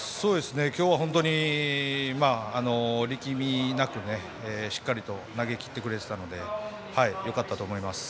今日は本当に力みなくしっかり投げきってくれてたのでよかったと思います。